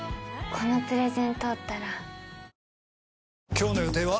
今日の予定は？